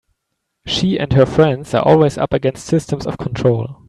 She and her friends are always up against systems of control.